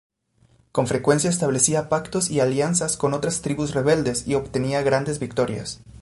Con frecuencia establecía pactos y alianzas con otras tribus rebeldes y obtenía grandes victorias.